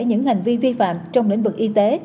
những hành vi vi phạm trong lĩnh vực y tế